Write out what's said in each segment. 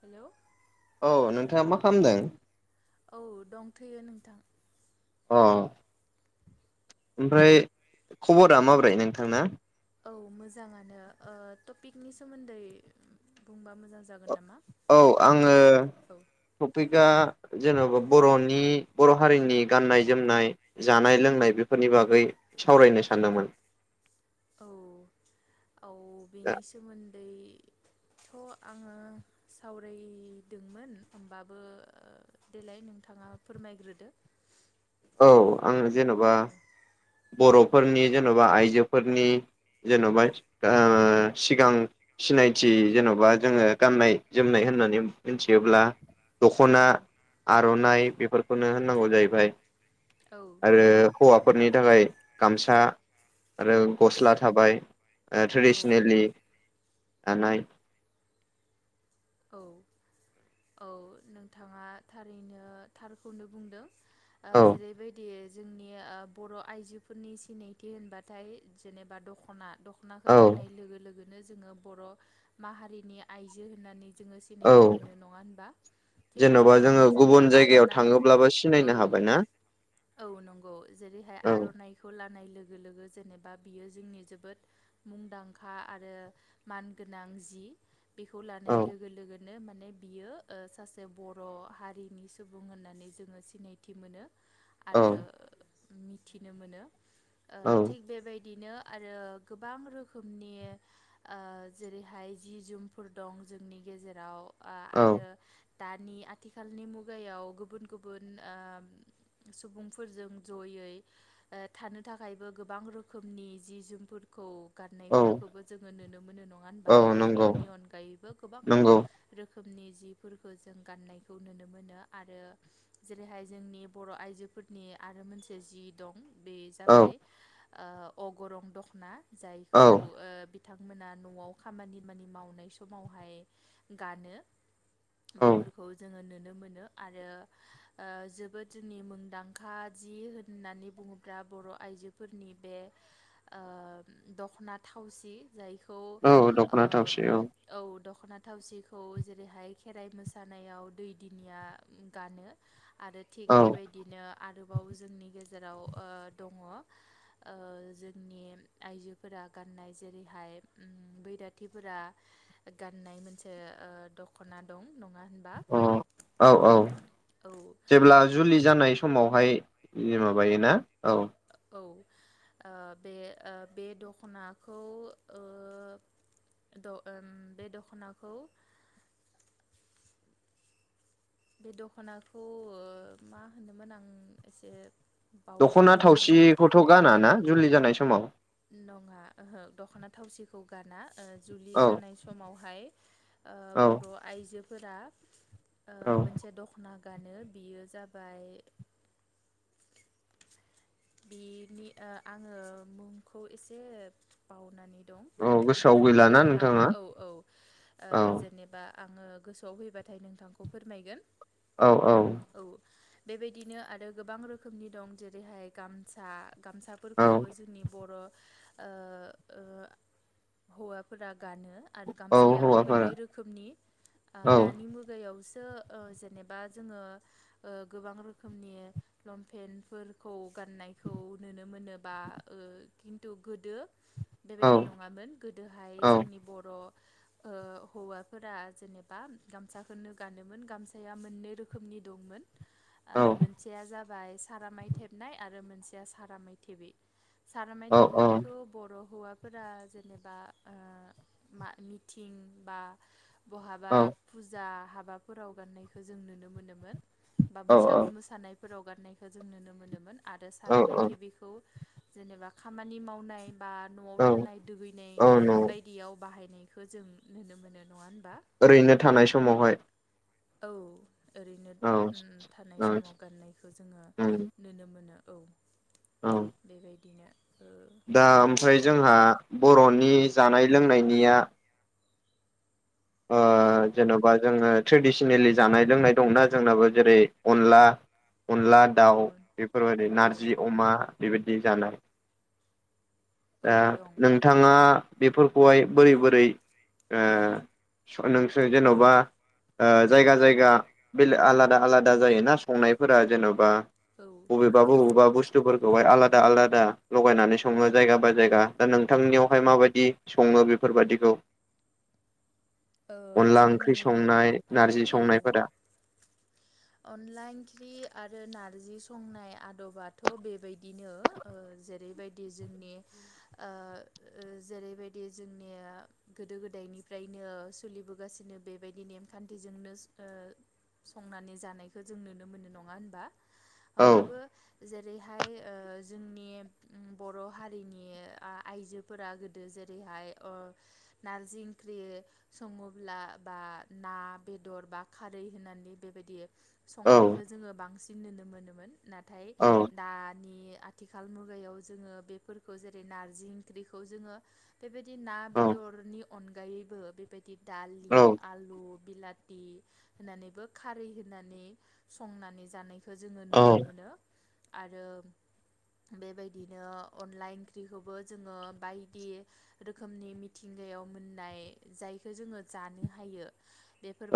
Hello औ नोंथाङा मा खालामदों? औ दंथैयो नोंथां। अ ओमफ्राय खबरा माब्रै नोंथांना? औ मोजाङानो ओ टपिकनि सोमोन्दै बुंबा मोजां जागोन नामा औ आङो औ तपिक आ जेनेबा बर'नि बर' हारिनि गाननाय जोमनाय जानाय लोंनाय बेफोरनि बागै सावरायनो सानदोंमोन। औ औ दा बेनि सोमोन्दै थ' आङो सावरायदोंमोन। होमबाबो देलाय नोंथाङा फोरमायग्रोदो औ आङो जेन'बा बर'फोरनि जेन'बा आइजोफोरनि जेन'बा सिगां सिनायथि जेन'बा जोङो गाननाय जोमनाय होननानै मिथियोब्ला दख'ना औ आर'नाइ बेफोरखौनो होननांगौ जाहैबाय औ आरो नंगौ हौवाफोरनि थाखाय गामसा आरो गस्ला ओ थाबाय औ ट्रेडिसनेलि थानाय। औ औ नोंथाङा थारैनो थारखौनो बुंदों। ओ औ जेरैबायदि जोंनि ओ बर' आइजोफोरनि सिनायथि होनबाथाय जेनेबा दख'ना दख'नाखौ औ गाननाय लोगो लोगोनो जोङो बर' माहारिनि आइजो होननानै जोङो औ सिनायथि मोनो नङा होनबा। थिग जेन'बा जोङो बेबायदिनो गुबुन जायगायाव आर'नाइ थाङोब्लाबो सिनायनो औ हाबाय ना। औ नंगौ। जेरैहाय औ आर'नाइखौ ला जानाय लोगो लोगो जेनेबा बियो जोंनि जोबोद मुंदांखा आरो मान गोनां जि बेखौ औ लानायजों बेगनो माने बियो ओ सासे बर' हारिनि सुबुं होननानै जोङो सिनायथि मोनो। औ आरो मिथिनो मोनो। ओ औ थिग बेबायदि बिदिनो आरो गोबां रोखोमनि ओ जेरैहाय जि जोमफोर दं ज नि गेजेराव आ औ आरो दानि आथिखालनि मुगायाव गुबुन गुबुन ओ सुबुंफोरजों जयै ओ थानो थाखायबो गोबां रोखोमनि जि जोमफोरखौ औ गारनायफोरखौबो जोङो नुनो मोनो नङा होनबा? औ नंगौ दख'नानि अनगायैबो गोबां रोखोम नंगौ रोखोमनि जिफोरखौ जों गाननायखौ नुनो मोनो। आरो जेरैहाय जोंनि बर' आइजो फोरनि आरो मोनसे जि दं। बे औ जाबाय ओ अगरं दख'ना औ जायखौ ओ बिथांमोना न'आव खामानिमानि मावनाय समावहाय गानो। औ बेफोरखौ जोङो नुनो नो मोन आरो ओ जोबोद जोंनि मुंदांखा जि होननानै बुङोब्ला बर' आइजोफोरनि बे ओ दख'ना थावसि जायखौ औ ओ दखनाथावसे औ। औ दख'ना थावसिखौ जेरैहाय खेराइ मोसानायाव दै दिनिया गानो। आरो थिग औ बेबायदिनो आरोबाव जोंनि गेजेराव ओ दङ ओ जोंनि आइजोफोरा गाननाय जेरैहाय बैराथिफोरा गाननाय मोनसे ओ दख'ना दं। नङा होनबा अ औ औ औ जेब्ला जुलि जानाय समावहाय इयो माबायोना औ। औ ओ बे ओ बे दख'नाखौ ओ द ओम बे दख'नाखौ [inaudible] बे दख'नाखौ ओ मा होनोमोन आं एसे बावदों दख'ना नोंथाङा थावसिखौथ' ओ गाना दो ना जुलि जानाय समाव। नङा ओहो दख'ना थावसिखौ गाना ओ जुलि औ जानाय समावहाय ओ औ बर' आइजोफोरा ओ औ मोनसे दख'ना गानो बियो जाबाय बिनि ओ आङो मुंखौ एसे बावउनानै दं औ ओ गोसोआव औ गैलाना आं नोंथाङा औ औ ओ औ जेनेबा आङो गोसोआव फैबाथाय नोंथांखौ फोरमायगोन। औ औ बेबायदिनो आरो गोबां रोखोमनि दं जेरैहाय गामसा। औ गामसाफोरखौबो जोंनि बर' ओ ओ हौवाफोरा गानो आरो औ गामसायाबो हौवाफोरा मोननै रोखोमनि ओ औ दानि मुगायाव तो जेनेबा जोङो गोबां रोखोमनि लंपेेनफोरखौ गाननायखौ नुनो मोनोबा खिन्थु गोदो औ बेबायदि नङामोन गोदोहाय औ जोंनि बर' हौवाफोरा जेनेबा गामसाखौनो गानोमोन गामसाया मोननै रोखोमनि दंमोन औ मोनसेया जाबाय सारामाय थेबनाय आरो मोनसेया सारामाइ थेबै सारनाय औ थेबनायखौ बर' हौवाफोरा जेनेबा मिथिं बा बहाबा औ फुजा हाबाफोराव गाननायखौ जों नुनो मोनोमोन बा औ बैसागो मोसानायफोराव गाननायखौ जों नुनो मोनोमोन आरो औ सारामायथे बेखौ जेनेबा खामानि मावनाय बा न'आव थानाय दुगैनाय औ न बायदियाव बाहाय फनायखौ जों नुनो मोनो नङा होन ओरैनो थानाय समावहाय औ ओरैनो औ उम थानाय औ समाव गाननायखौ जोङो नुनो मोनो औ औ बेबायदिनो ओ दा बा ओमफ्राय जोंहा बर'नि औ जानाय लोंनायनिया ओ औ जेन'बा जोङो ट्रेडिसनेलि जानाय लोंनाय दंना जोंनाबो जेरै अनला अनला औ दावउ बेफोरबायदि औ नारजि अमा बेबायदि जानाय दा दं नोंथाङा बेफोरखौहाय बोरै बोरै ओ नों जेन'बा ओ जायगा जायगा बेले आलादा आलादा जायोना संनायफोरा जेन'बा औ बबेबा बबेबा बुस थुफोरखौहाय आलादा आलादा लगायनानै सङो जायगा बाय जायगा दा नोंथांनियावहाय माबायदि सङो ङो बेफोरबायदिखौ ओ अनला ओंख्रि जोंनि संनाय औ नारजि औ संनायफोरा अनला इंख्रि आरो नारजि सं संनाय आदबाथ' बेबायदिनो ओ जेरैबायदि जोंनि ओ ओ जेरैबायदि जोंनिया गोदो गोदायनिफ्रायनो सोलिबोगासिनो बेबायदि नेमखान्थिजोंनो ओ संनानै जानायखौ जों नुनो मोनो नङा होनबा औ होमबाबो जेरैहाय ओ जोंनि बर' हारिनि ओ आइजोफोरा गोदो जेरैहाय ओ नारजि ओंख्रि सङोब्ला बा ना बेदर बा खारै होननानै बेबायदि औ संनायखौ जोङो बांसिन नुनो मोनोमोन नाथाय औ दा नि आथिखाल मुगायाव जोङो बेफोरखौ जेरै नारजि ओंख्रिखौ जोङो बेबायदि ना औ बेदरनि अनगायैबो बेबायदि दालि, औ आलु, बिलाथि होनानैबो खारै होनानै संनानै जानाय खौ जोङो नुनो मोनो आरो बेबायदिनो अनला ओंख्रिखौबो जोङो बायदि रोखोमनि मिथिं गायाव मोननाय जायखौ जोङो जानो हायो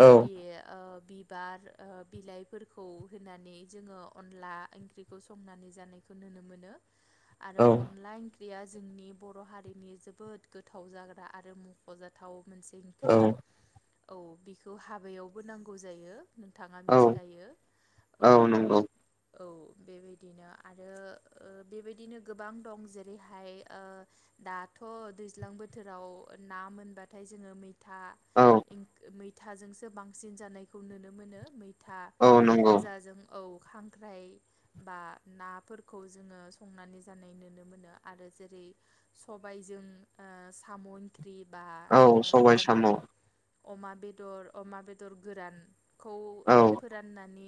औ ओ बिबार बिलाइफोरखौ होनानै जोङो अनला ओंख्रिखौ संनानै जानायखौ नुनो मोनो आरो औ अला ओं ख्रिया जोंनि बर' हारिनि जोबोद गोथाव जाग्रा आरो मख'जाथाव मोनसे ओंख्रि औ बेखौ हाबायावबो नांगौ जायो। नोंथाङा औ मिथिखायो औ औ बेबायदिनो आरो बेबायदिनो गोबां दं जेरैहाय ओ दाथ' दैज्लां बोथोराव ना मोनबा नाथाय जोङो मैथा औ मैथाजोंसो बांसिन जानायखौ नुनो मोनो मै था औ नंगौ गोजाजों औ खांख्राइ बा नाफोरखौ जोङो संनानै जानाय नुनो मोनो आरो जेरै सबायजों आ साम ओंख्रि बा औ सबाय ओ साम अमा अमा बेदर अमा बेदर गोरानखौ औ ओ फोराननानै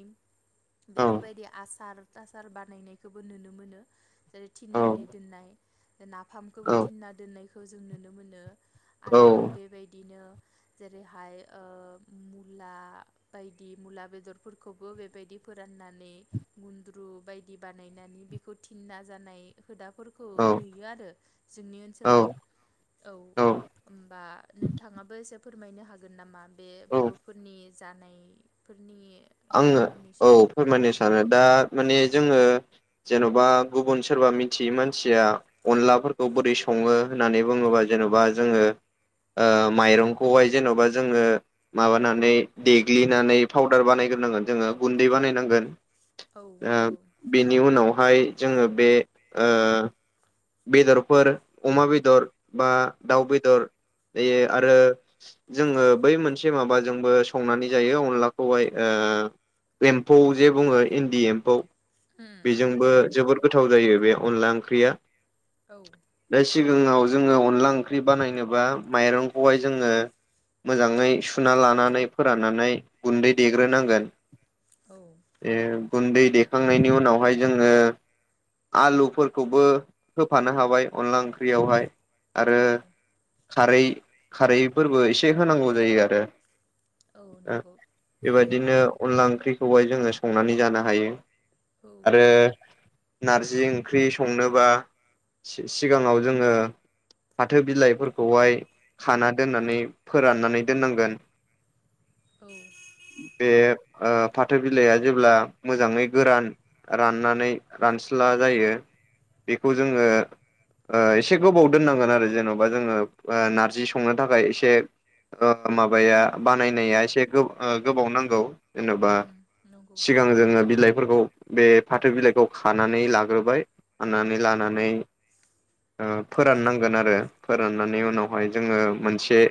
औ बेफोरबायदि आसार थासार बानायनायखौबो नुनो मोनो। औ थिननानै दोननाय औ नाफामखौबो थिनना दोननायखौ जों नुनो मोनो। आरो औ बेबायदिनो जेरैहाय ओ मुला बायदि मुला बेदरफोरखौ बो बेबायदि फोराननानै गुन्द्रु बायदि बानायनानै बेखौ थिना जानाय दाफोरखौ औ औ नुयो आरो जोंनि औ ओनसोलाव औ होनबा नोंथाङाबो एसे फोरमायनो हागोन नामा बे औ बरफोरनि जानायफोरनि आङो हुदाफोरनि औ सोमोन्दै फोरमायनो सानो दा माने जोङो जेनबा गुबुन सोरबा मिथियै मानसिया अनलाफोरखौ बोरै सङो होननानै बुङोबा जेन बा जोङो आ माइरंखौहाय जेनबा जोङो माबानानै देग्लिनानै पाउदार बानायगो रोनागोन जोङो गुन्दै बानायनांगोन औ नंगौ बेनि उनावहाय जोङो बे ओ बेदरफोर अमा बेदर बा दाउ बेदर बे आरो जोङो बै मोनसे माबाजोंबो संनानै जायो अनलाखौहाय ओ एम्फौ जे बुङो इन्दि एम्फौ उम उम बेजोंबो नंगौ जोबोद गोथाव जायो बे अनला ओंख्रिया औ दा सिगाङाव जोङो अनला ओंख्रि बानायनोबा माइरंखौहाय जोङो मोजाङै सुना लानानै फोराननानै गुन्दै देग्रोनांगोन औ ए गुन्दै देखांनायनि उनावहाय जोङो आलुफोरखौबो होफानो हाबाय अनला ओंख्रियावहाय आरो औ खारै खारैफोरबो एसे होनांगौ जायो आरो औ ओ नंगौ बेबायदिनो अनला ओंख्रिखौहाय जोङो संनानै जानो हायो। औ आरो नार्जि ओंख्रि संनोबा सिगाङाव जोङो फाथो बिलाइफोरखौहाय खाना दोननानै फोराननानै दोननांगोन। [inaudible] औ बे आ फाथो बिलाइआ जेब्ला मोजाङै गोरान राननानै रानस्ला जायो बेखौ जोङो आ एसे गोबाव दोननांगोन आरो जेनबा जोङो आ नारजि संनो थाखाय एसे माबाया बानायनाया एसे गोबाव नांगौ जेनेबा उम नंगौ सिगां जोङो बिलाइफोरखौ बे फाथो बिलाइखौ खानानै लाग्रोबाय खानानै लाना नै ओ फोराननांगोन आरो फोराननानै उनावहाय जोङो मोनसे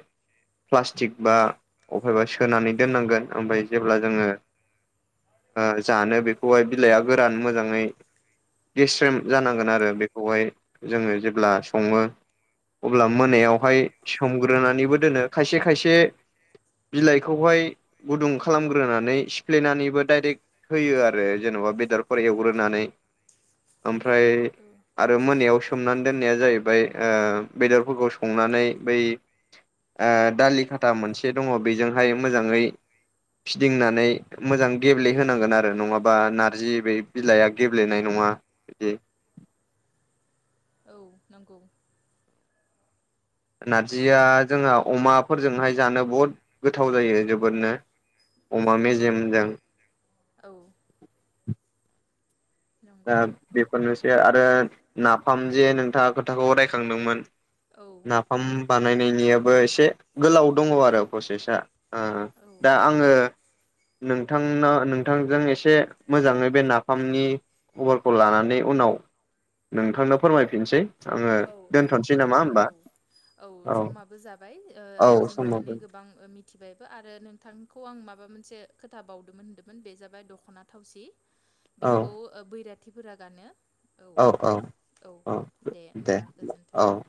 प्लास्टिक बा अफायबा सोनानै दोननांगोन ओमफ्राय जेब्ला जोङो ओ जानो बेखौहाय बिलाइआ गोरान मोजाङै गेस्रेम औ जानांगोन आरो बेखौहाय जोङो जेब्ला सङो। अब्ला औ मोनायावहाय सोमग्रोनानैबो दोनो खायसे खायसे बिलाइखौहाय गुदुं खालामग्रोनानै सिफ्लेनानैबो डायरेक्ट होयो आरो जेनबा बेदरफोर एवग्रोनानै ओमफ्राय आरो मोनायाव सोम सोमनानै दोननाया जाहैबाय ओ बेदरफोरखौ संनानै बै आ दालि खाथा मोनसे दङ बिजोंहाय मोजाङै फिदिंनानै मोजां गेब्लेहोनांगोन आरो नङाबा नारजि बे बिलाइआ गेब्लेनाय नङा। बिदि औ नंगौ नारजिया जोंहा अमाफोरजोंहाय जानो बहुद गोथाव जायो जोबोदनो। अमा औ मेजेमजों औ दा नंगौ बेफोरनोसै आरो नाफामजे नोंथाङा खोथाखौ रायखांदोंमोन‌ औ नाफाम बा बानायनायनियाबो एसे गोलाव दङ आरो प्रसेसा ओ दा औ आङो नोंथांनो नोंथांजों एसे मोजाङै बे नाफामनि खबरखौ लानानै उनाव नोंथांनो फोरमायफिनसै। ङो औ औ दोनथ'नसै जागोन नामा दे होमबा? औ औ समाबो जाबाय ओ औ रो जों समाबो दिनै गोबां ओ मिथिबायबो आरो नोंथांखौ आं माबा मोन से खोथाबावदोंमोन होन्दोंमोन बे जाबाय दख'ना थावसि औ बिखौ ओ बैरा थिफोरा गानो। औ औ दे अ होमबा गोजोन्थों।